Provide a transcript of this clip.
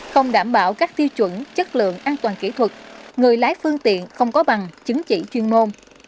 không đảm bảo các tiêu chuẩn chất lượng an toàn kỹ thuật người lái phương tiện không có bằng chứng chỉ chuyên môn